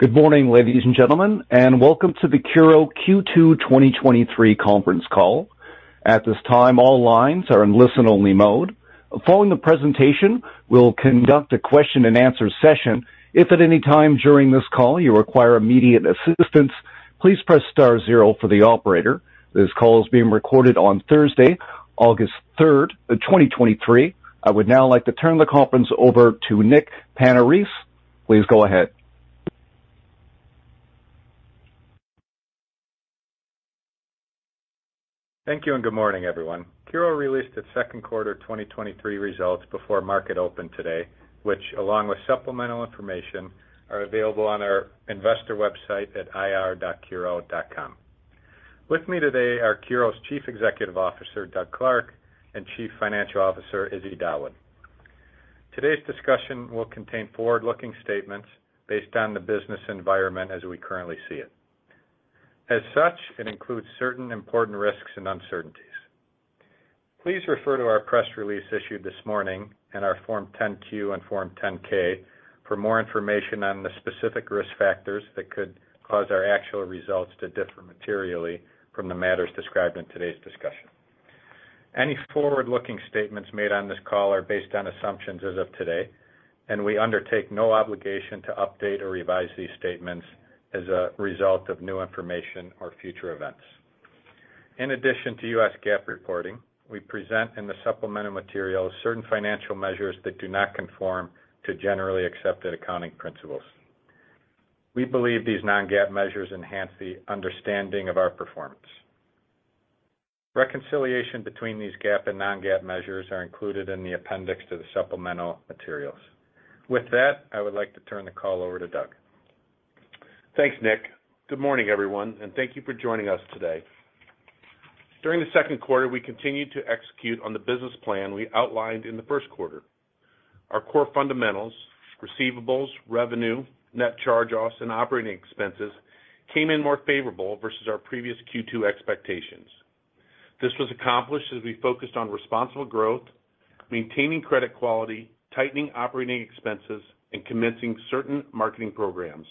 Good morning, ladies and gentlemen, welcome to the CURO Q2 2023 Conference Call. At this time, all lines are in listen-only mode. Following the presentation, we'll conduct a question-and-answer session. If at any time during this call you require immediate assistance, please press star zero for the operator. This call is being recorded on Thursday, 3 August 2023. I would now like to turn the conference over to Nick Panarese. Please go ahead. Thank you, good morning, everyone. CURO released its Second Quarter 2023 Results before market open today, which, along with supplemental information, are available on its investor website at ir.curo.com. With me today are CURO's Chief Executive Officer, Doug Clark, and Chief Financial Officer, Ismail Dawood. Today's discussion will contain forward-looking statements based on the business environment as we currently see it. As such, it includes certain important risks and uncertainties. Please refer to our press release issued this morning and our Form 10-Q and Form 10-K for more information on the specific risk factors that could cause our actual results to differ materially from the matters described in today's discussion. Any forward-looking statements made on this call are based on assumptions as of today, and we undertake no obligation to update or revise these statements as a result of new information or future events. In addition to U.S. GAAP reporting, we present in the supplemental materials certain financial measures that do not conform to generally accepted accounting principles. We believe these non-GAAP measures enhance the understanding of our performance. Reconciliation between these GAAP and non-GAAP measures are included in the appendix to the supplemental materials. With that, I would like to turn the call over to Doug. Thanks, Nick. Good morning, everyone, thank you for joining us today. During the second quarter, we continued to execute on the business plan we outlined in the first quarter. Our core fundamentals, receivables, revenue, net charge-offs, and operating expenses, came in more favorable versus our previous Q2 expectations. This was accomplished as we focused on responsible growth, maintaining credit quality, tightening operating expenses, and commencing certain marketing programs.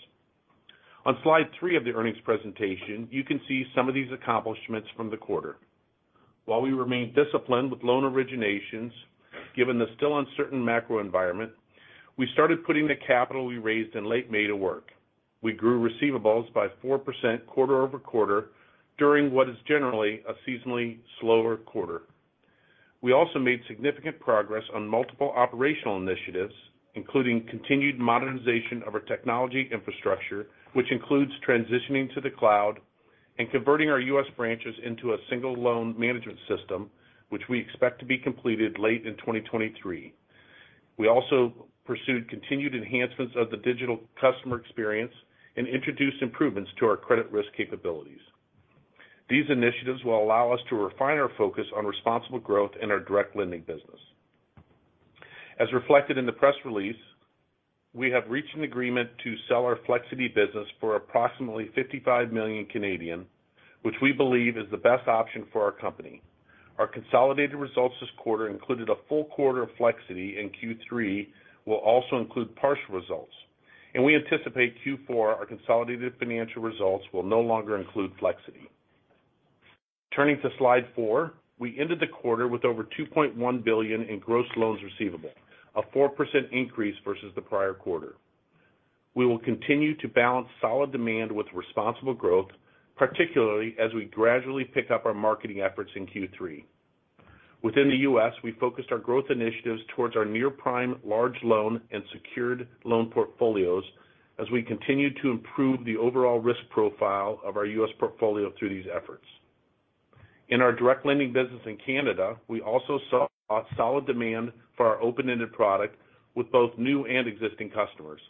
On slide three of the earnings presentation, you can see some of these accomplishments from the quarter. While we remain disciplined with loan originations, given the still uncertain macro environment, we started putting the capital we raised in late May to work. We grew receivables by 4% quarter-over-quarter during what is generally a seasonally slower quarter. We also made significant progress on multiple operational initiatives, including continued modernization of our technology infrastructure, which includes transitioning to the cloud and converting our US branches into a single loan management system, which we expect to be completed late in 2023. We also pursued continued enhancements of the digital customer experience and introduced improvements to our credit risk capabilities. These initiatives will allow us to refine our focus on responsible growth in our direct lending business. As reflected in the press release, we have reached an agreement to sell our Flexiti business for approximately 55 million, which we believe is the best option for our company. Our consolidated results this quarter included a full quarter of Flexiti, and Q3 will also include partial results, and we anticipate Q4, our consolidated financial results will no longer include Flexiti. Turning to slide four. We ended the quarter with over $2.1 billion in gross loans receivable, a 4% increase versus the prior quarter. We will continue to balance solid demand with responsible growth, particularly as we gradually pick up our marketing efforts in Q3. Within the US, we focused our growth initiatives towards our near-prime large loan and secured loan portfolios as we continued to improve the overall risk profile of our US portfolio through these efforts. In our direct lending business in Canada, we also saw solid demand for our open-ended product with both new and existing customers.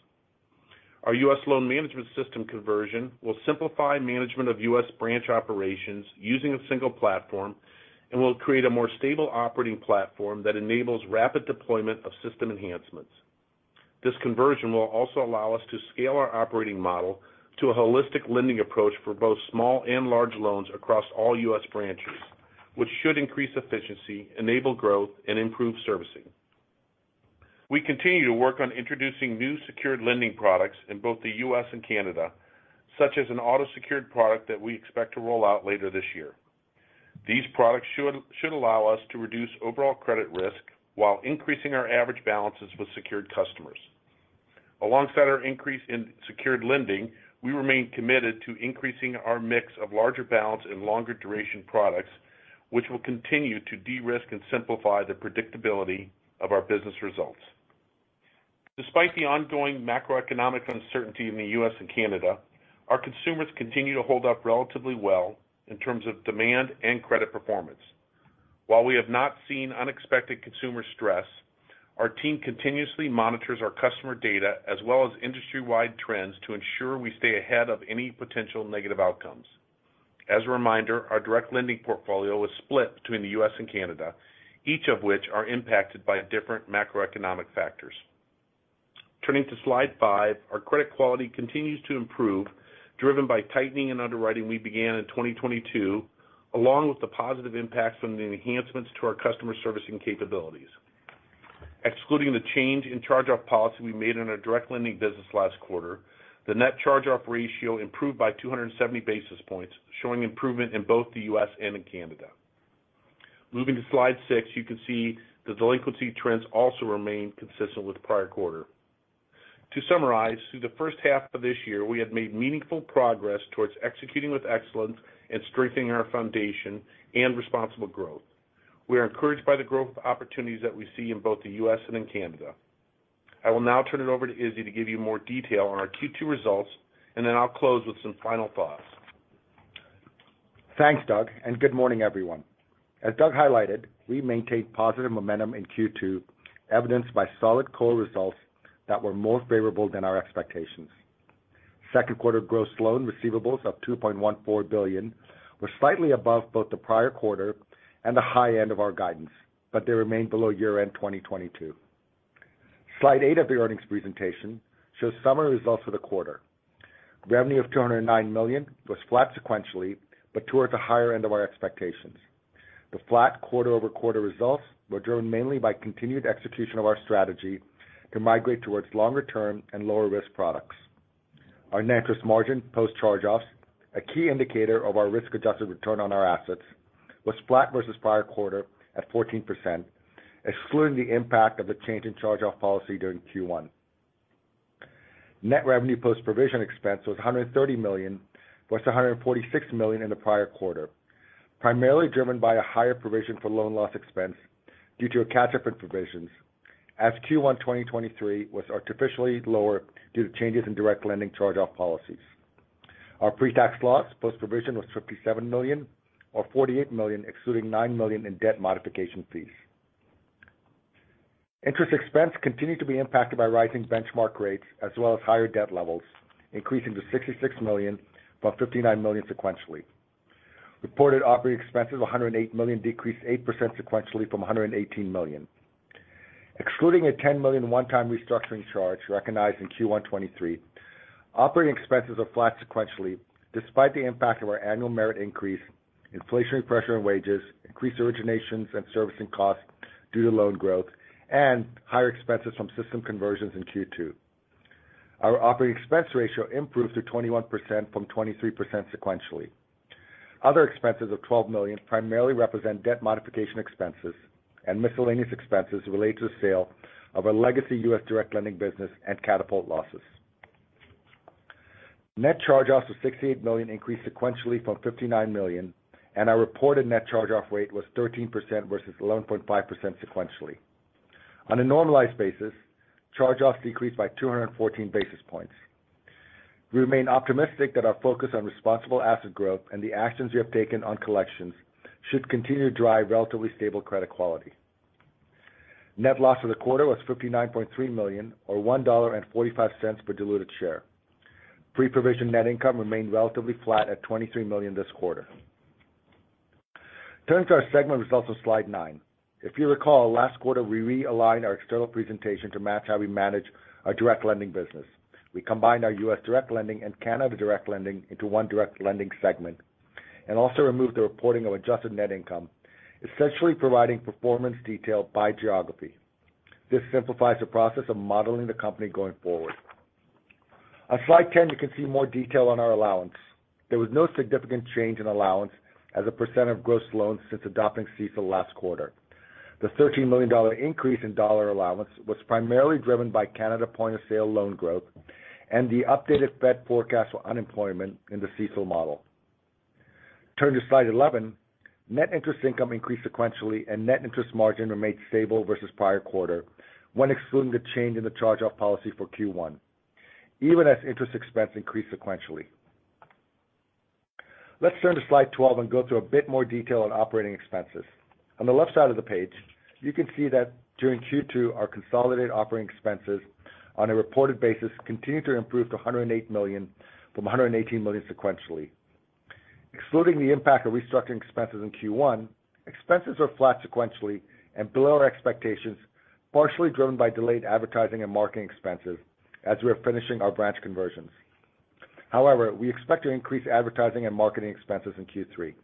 Our US loan management system conversion will simplify management of US branch operations using a single platform and will create a more stable operating platform that enables rapid deployment of system enhancements. This conversion will also allow us to scale our operating model to a holistic lending approach for both small and large loans across all US branches, which should increase efficiency, enable growth, and improve servicing. We continue to work on introducing new secured lending products in both the US and Canada, such as an auto-secured product that we expect to roll out later this year. These products should allow us to reduce overall credit risk while increasing our average balances with secured customers. Alongside our increase in secured lending, we remain committed to increasing our mix of larger balance and longer-duration products, which will continue to de-risk and simplify the predictability of our business results. Despite the ongoing macroeconomic uncertainty in the US and Canada, our consumers continue to hold up relatively well in terms of demand and credit performance. While we have not seen unexpected consumer stress, our team continuously monitors our customer data as well as industry-wide trends to ensure we stay ahead of any potential negative outcomes. As a reminder, our direct lending portfolio is split between the U.S. and Canada, each of which are impacted by different macroeconomic factors. Turning to Slide five, our credit quality continues to improve, driven by tightening and underwriting we began in 2022, along with the positive impacts from the enhancements to our customer servicing capabilities. Excluding the change in charge-off policy we made in our direct lending business last quarter, the net charge-off ratio improved by 270 basis points, showing improvement in both the US and in Canada. Moving to Slide six, you can see the delinquency trends also remain consistent with the prior quarter. To summarize, through the first half of this year, we have made meaningful progress towards executing with excellence and strengthening our foundation and responsible growth. We are encouraged by the growth of opportunities that we see in both the US and in Canada. I will now turn it over to Ismail to give you more detail on our Q2 results. Then I'll close with some final thoughts. Thanks, Doug. Good morning, everyone. As Doug highlighted, we maintained positive momentum in Q2, evidenced by solid core results that were more favorable than our expectations. Second quarter gross loan receivables of $2.14 billion were slightly above both the prior quarter and the high end of our guidance. They remained below year-end 2022. Slide eight of the earnings presentation shows summary results for the quarter. Revenue of $209 million was flat sequentially, towards the higher end of our expectations. The flat quarter-over-quarter results were driven mainly by continued execution of our strategy to migrate towards longer-term and lower-risk products. Our net interest margin, post charge-offs, a key indicator of our risk-adjusted return on our assets, was flat versus prior quarter at 14%, excluding the impact of the change in charge-off policy during Q1. Net revenue post-provision expense was $130 million, versus $146 million in the prior quarter, primarily driven by a higher provision for loan loss expense due to a catch-up in provisions, as Q1 2023 was artificially lower due to changes in Direct Lending charge-off policies. Our pretax loss post-provision was $57 million, or $48 million, excluding $9 million in debt modification fees. Interest expense continued to be impacted by rising benchmark rates as well as higher debt levels, increasing to $66 million from $59 million sequentially. Reported operating expenses of $108 million decreased 8% sequentially from $118 million. Excluding a $10 million one-time restructuring charge recognized in Q1 2023, operating expenses are flat sequentially, despite the impact of our annual merit increase, inflationary pressure on wages, increased originations and servicing costs due to loan growth, and higher expenses from system conversions in Q2. Our operating expense ratio improved to 21% from 23% sequentially. Other expenses of $12 million primarily represent debt modification expenses and miscellaneous expenses related to the sale of our legacy US direct lending business and Katapult losses. Net charge-offs of $68 million increased sequentially from $59 million, and our reported net charge-off rate was 13% versus 11.5% sequentially. On a normalized basis, charge-offs decreased by 214 basis points. We remain optimistic that our focus on responsible asset growth and the actions we have taken on collections should continue to drive relatively stable credit quality. Net loss for the quarter was $59.3 million, or $1.45 per diluted share. Pre-provision net income remained relatively flat at $23 million this quarter. Turning to our segment results on slide nine. If you recall, last quarter, we realigned our external presentation to match how we manage our direct lending business. We combined our US direct lending and Canada direct lending into one direct lending segment, and also removed the reporting of adjusted net income, essentially providing performance detail by geography. This simplifies the process of modeling the company going forward. On slide ten, you can see more detail on our allowance. There was no significant change in allowance as a % of gross loans since adopting CECL last quarter. The $13 million increase in dollar allowance was primarily driven by Canada point-of-sale loan growth and the updated Fed forecast for unemployment in the CECL model. Turning to Slide 11, net interest income increased sequentially, and net interest margin remained stable versus prior quarter when excluding the change in the charge-off policy for Q1, even as interest expense increased sequentially. Let's turn to Slide 12 and go through a bit more detail on operating expenses. On the left side of the page, you can see that during Q2, our consolidated operating expenses on a reported basis continued to improve to $108 million from $118 million sequentially. Excluding the impact of restructuring expenses in Q1, expenses are flat sequentially and below our expectations, partially driven by delayed advertising and marketing expenses as we are finishing our branch conversions. However, we expect to increase advertising and marketing expenses in Q3.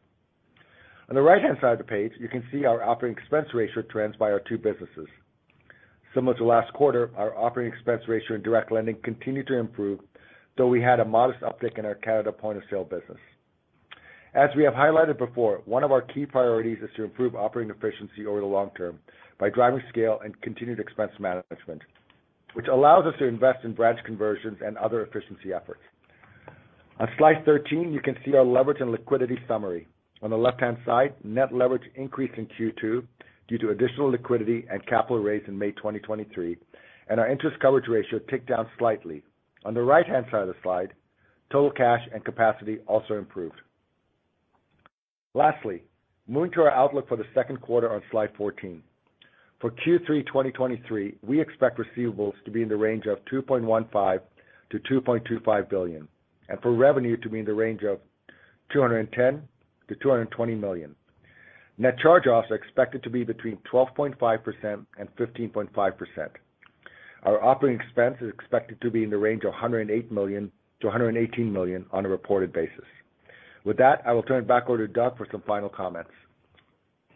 On the right-hand side of the page, you can see our operating expense ratio trends by our two businesses. Similar to last quarter, our operating expense ratio in direct lending continued to improve, though we had a modest uptick in our Canada point-of-sale business. As we have highlighted before, one of our key priorities is to improve operating efficiency over the long term by driving scale and continued expense management, which allows us to invest in branch conversions and other efficiency efforts. On slide 13, you can see our leverage and liquidity summary. On the left-hand side, net leverage increased in Q2 due to additional liquidity and capital raised in May 2023, and our interest coverage ratio ticked down slightly. On the right-hand side of the slide, total cash and capacity also improved. Lastly, moving to our outlook for the second quarter on Slide 14. For Q3 2023, we expect receivables to be in the range of $2.15 billion-$2.25 billion, and for revenue to be in the range of $210 million to $220 million. Net charge-offs are expected to be between 12.5% and 15.5%. Our operating expense is expected to be in the range of $108 million to $118 million on a reported basis. With that, I will turn it back over to Doug for some final comments.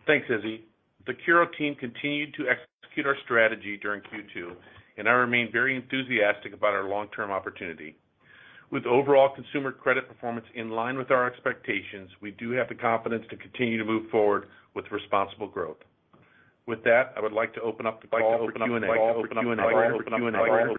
Thanks, Ismail. The CURO team continued to execute our strategy during Q2. I remain very enthusiastic about our long-term opportunity. With overall consumer credit performance in line with our expectations, we do have the confidence to continue to move forward with responsible growth. With that, I would like to open up the call for Q&A.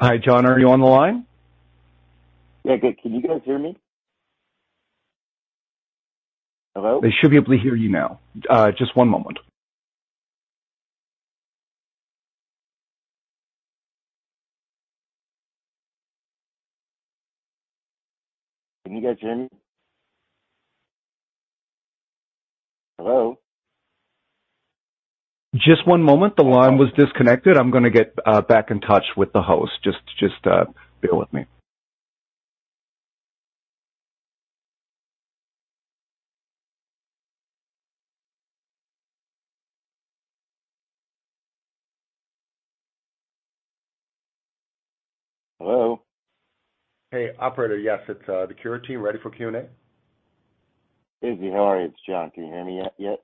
Hi, John, are you on the line? Yeah. Good. Can you guys hear me? Hello? They should be able to hear you now. Just one moment. Can you guys hear me? Hello? Just one moment. The line was disconnected. I'm going to get back in touch with the host. Just, just bear with me. Hello? Hey, operator. Yes, it's the CURO team ready for Q&A. Ismail, how are you? It's John. Can you hear me yet?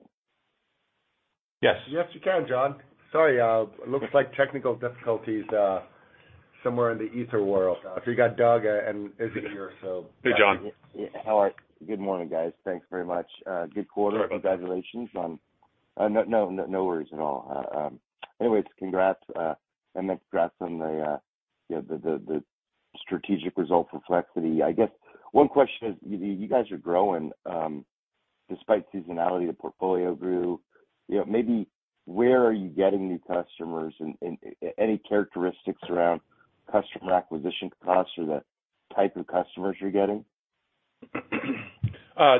Yes. Yes, we can, John. Sorry, it looks like technical difficulties, somewhere in the ether world. We got Doug and Ismail here, so- Hey, John. How are you? Good morning, guys. Thanks very much. Good quarter. Congratulations on- no, no, no worries at all. Anyways, congrats, and congrats on the, you knowthe strategic result for Flexiti. I guess one question is, you, you guys are growing, despite seasonality, the portfolio grew. You know, maybe where are you getting new customers and, and any characteristics around customer acquisition costs or the type of customers you're getting?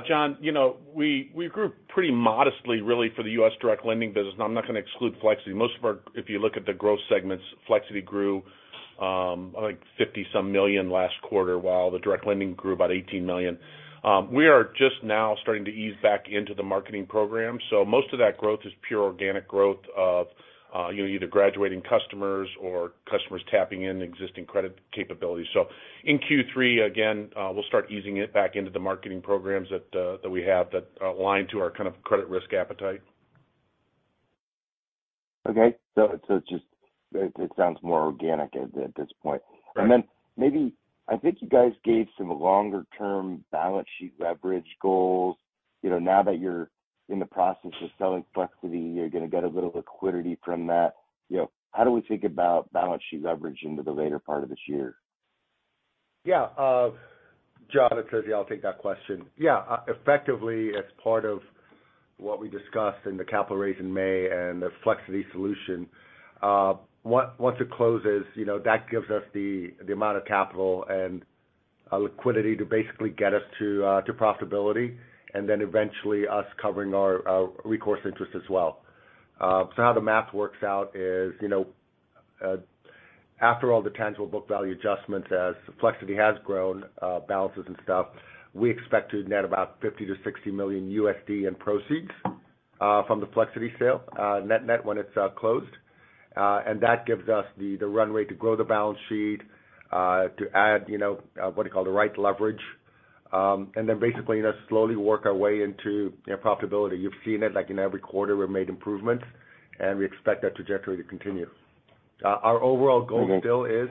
John, you know, we, we grew pretty modestly, really, for the US direct lending business. I'm not going to exclude Flexiti. Most of our if you look at the growth segments, Flexiti grew, like, $50 some million last quarter, while the direct lending grew about $18 million. We are just now starting to ease back into the marketing program. Most of that growth is pure organic growth of, you know, either graduating customers or customers tapping in existing credit capabilities. In Q3, again, we'll start easing it back into the marketing programs that, that we have that align to our kind of credit risk appetite. Okay. It sounds more organic at this point. Right. Then maybe I think you guys gave some longer-term balance sheet leverage goals. You know, now that you're in the process of selling Flexiti, you're going to get a little liquidity from that. You know, how do we think about balance sheet leverage into the later part of this year? Yeah. John, it's Ismail. I'll take that question. Yeah, effectively, as part of what we discussed in the capital raise in May and the Flexiti solution, once, once it closes, you know, that gives us the, the amount of capital and liquidity to basically get us to profitability and then eventually us covering our, our recourse interest as well. How the math works out is, you know, after all the tangible book value adjustments, as Flexiti has grown, balances and stuff, we expect to net about $50 million to $60 million in proceeds from the Flexiti sale, net-net, when it's closed. That gives us the, the runway to grow the balance sheet, to add, you know, what we call the right leverage, and then basically just slowly work our way into, you know, profitability. You've seen it, like, in every quarter, we've made improvements, and we expect that trajectory to continue. Our overall goal still is,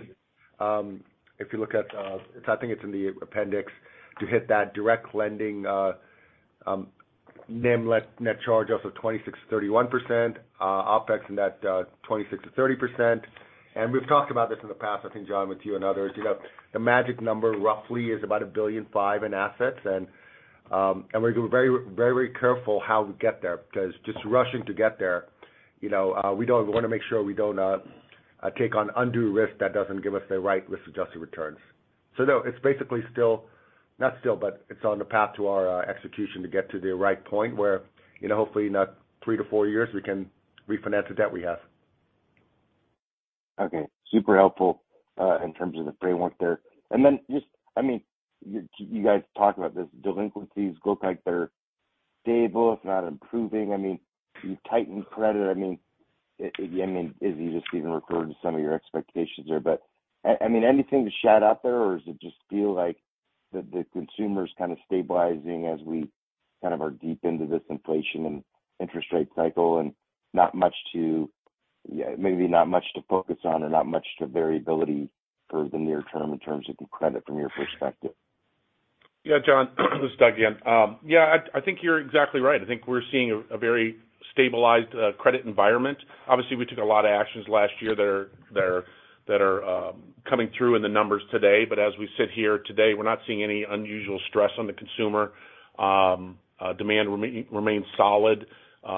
if you look at, I think it's in the appendix, to hit that direct lending, NIM net charge of 26%-31%, OpEx in that, 26%-30%. We've talked about this in the past, I think, John, with you and others. You know, the magic number roughly is about $1.5 billion in assets. We're very, very careful how we get there, because just rushing to get there, you know, we don't we want to make sure we don't take on undue risk that doesn't give us the right risk-adjusted returns. No, it's basically on the path to our execution to get to the right point where, you know, hopefully in three to four years, we can refinance the debt we have. Okay, super helpful in terms of the framework there. I mean, you guys talk about this, delinquencies look like they're stable, if not improving. I mean, you tighten credit. I mean, I mean, Ismail, just even referring to some of your expectations there, but, I mean, anything to shout out there, or does it just feel like the consumers kind of stabilizing as we kind of are deep into this inflation and interest rate cycle, and not much to, yeah, maybe not much to focus on or not much to variability for the near term in terms of the credit from your perspective. Yeah, John, this is Doug again. Yeah I think you're exactly right. I think we're seeing a very stabilized credit environment. Obviously, we took a lot of actions last year that are coming through in the numbers today. As we sit here today, we're not seeing any unusual stress on the consumer. Demand remains solid.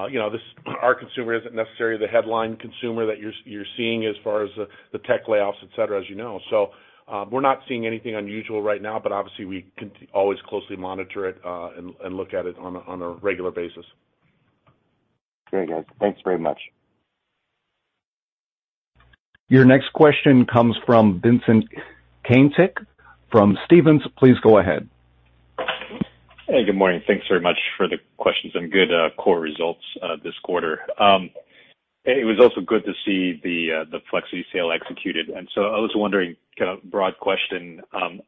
You know, this, our consumer isn't necessarily the headline consumer that you're seeing as far as the tech layoffs, et cetera, as you know. We're not seeing anything unusual right now, but obviously, we always closely monitor it and look at it on a regular basis. Great, guys. Thanks very much. Your next question comes from Vincent Caintic from Stephens. Please go ahead. Hey, good morning. Thanks very much for the questions and good core results this quarter. It was also good to see the Flexiti sale executed. So I was wondering, kind of broad question,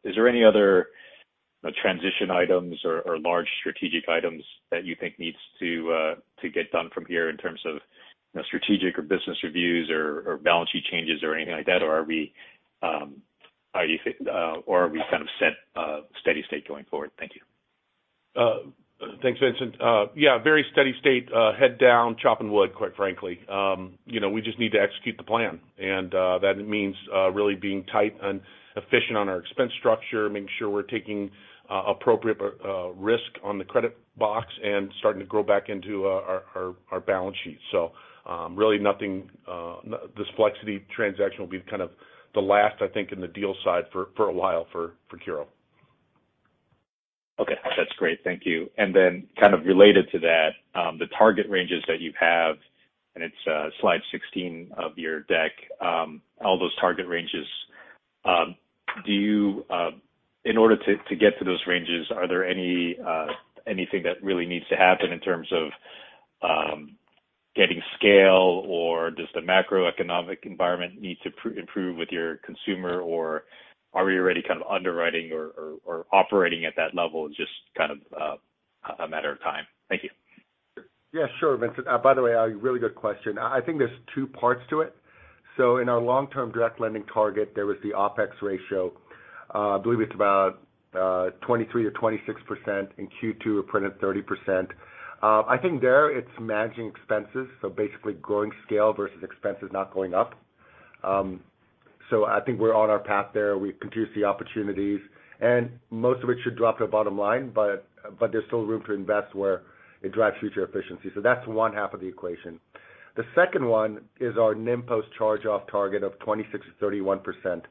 is there any other transition items or large strategic items that you think needs to get done from here in terms of, you know, strategic or business reviews or balance sheet changes or anything like that? Or are we, how do you think, or are we kind of set steady state going forward? Thank you. Thanks, Vincent. Yeah, very steady state, head down, chopping wood, quite frankly. You know, we just need to execute the plan. That means really being tight and efficient on our expense structure, making sure we're taking appropriate risk on the credit box and starting to grow back into our, our, our balance sheet. Really nothing, this Flexiti transaction will be kind of the last, I think, in the deal side for, for a while for, for CURO. Okay, that's great. Thank you. Then kind of related to that, the target ranges that you have, and it's slide 16 of your deck, all those target ranges, do you in order to get to those ranges, are there any anything that really needs to happen in terms of getting scale? Or does the macroeconomic environment need to improve with your consumer, or are we already kind of underwriting or operating at that level, just kind of a matter of time? Thank you. Yeah, sure, Vincent. By the way, a really good question. I think there's two parts to it. In our long-term direct lending target, there was the OpEx ratio. I believe it's about 23%-26%. In Q2, we printed 30%. I think there, it's managing expenses, so basically growing scale versus expenses not going up. I think we're on our path there. We continue to see opportunities, and most of it should drop to the bottom line, but there's still room to invest where it drives future efficiency. That's one half of the equation. The second one is our NIM post charge-off target of 26%-31%.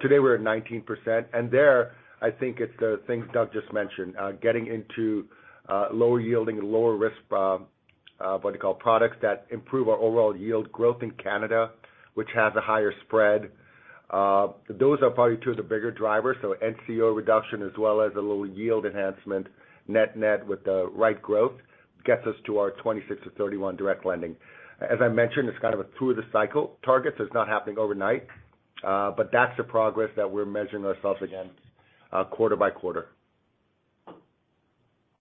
today, we're at 19%, there, I think it's the things Doug just mentioned, getting into, lower yielding and lower risk, what do you call, products that improve our overall yield growth in Canada, which has a higher spread. Those are probably two of the bigger drivers, NCO reduction as well as a little yield enhancement, net-net with the right growth, gets us to our 26%-31% direct lending. As I mentioned, it's kind of a through the cycle. Targets is not happening overnight, that's the progress that we're measuring ourselves against, quarter-over-quarter.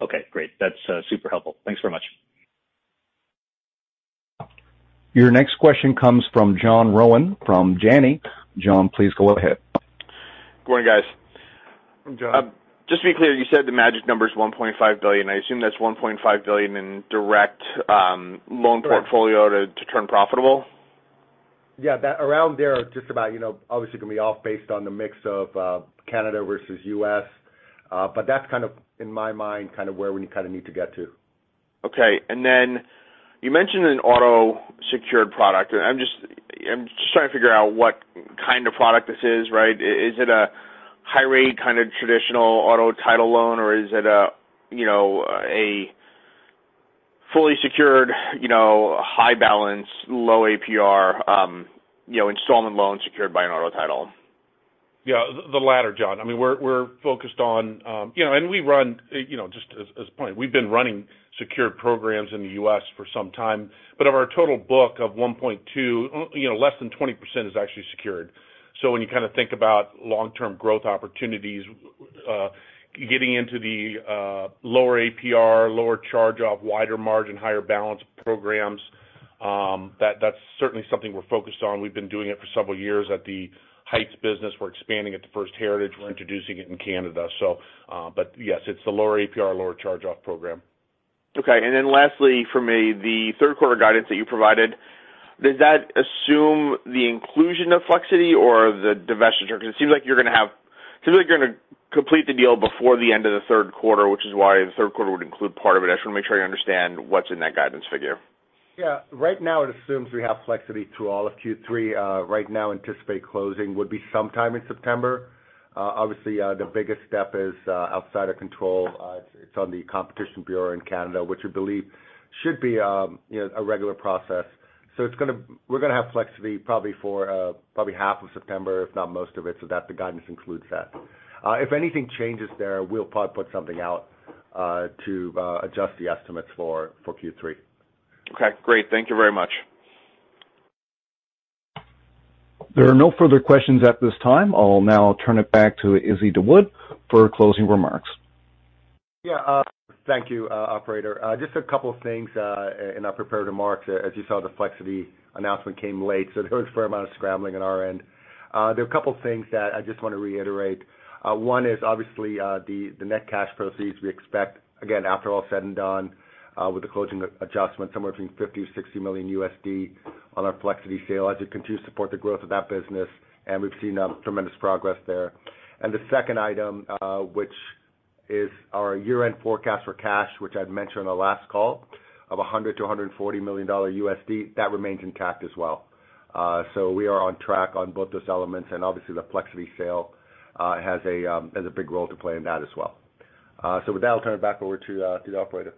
Okay, great. That's super helpful. Thanks very much. Your next question comes from John Rowan from Janney. John, please go ahead. Good morning, guys. John. Just to be clear, you said the magic number is $1.5 billion. I assume that's $1.5 billion in direct loan portfolio? Correct. to turn profitable? Yeah, that around there, just about, you know, obviously, can be off based on the mix of Canada versus U.S. That's kind of, in my mind, kind of where we kind of need to get to. Okay. Then you mentioned an auto-secured product. I'm just trying to figure out what kind of product this is, right? Is it a high-rate, kind of traditional auto title loan, or is it a, you know, a fully secured, you know, high balance, low APR, you know, installment loan secured by an auto title? Yeah, the latter, John. I mean, we're focused on, and we run, just as a point, we've been running secured programs in the U.S. for some time, but of our total book of $1.2 billion, less than 20% is actually secured. When you kind of think about long-term growth opportunities, getting into the lower APR, lower charge-off, wider margin, higher balance programs, that's certainly something we're focused on. We've been doing it for several years at the Heights business. We're expanding it to First Heritage. We're introducing it in Canada. But yes, it's the lower APR, lower charge-off program. Okay, lastly, for me, the third quarter guidance that you provided, does that assume the inclusion of Flexiti or the divestiture? Because it seems like you're gonna complete the deal before the end of the third quarter, which is why the third quarter would include part of it. I just wanna make sure I understand what's in that guidance figure. Yeah. Right now, it assumes we have Flexiti through all of Q3. Right now, anticipate closing would be sometime in September. Obviously, the biggest step is outside of control. It's on the Competition Bureau in Canada, which we believe should be, you know, a regular process. We're gonna have Flexiti probably for, probably half of September, if not most of it, so that the guidance includes that. If anything changes there, we'll probably put something out to adjust the estimates for, for Q3. Okay, great. Thank you very much. There are no further questions at this time. I'll now turn it back to Ismail Dawood for closing remarks. Yeah, thank you, operator. Just a couple of things, and I prepared to mark. As you saw, the Flexiti announcement came late, so there was a fair amount of scrambling on our end. There are a couple of things that I just want to reiterate. One is obviously, the, the net cash proceeds we expect, again, after all is said and done, with the closing adjustment, somewhere between $50 million to $60 million on our Flexiti sale, as we continue to support the growth of that business, and we've seen, tremendous progress there. The second item, which is our year-end forecast for cash, which I'd mentioned on the last call, of $100 million to $140 million, that remains intact as well. We are on track on both those elements, and obviously, the Flexiti sale has a big role to play in that as well. With that, I'll turn it back over to the operator.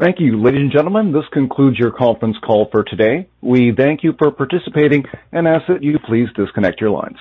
Thank you. Ladies and gentlemen, this concludes your conference call for today. We thank you for participating and ask that you please disconnect your lines.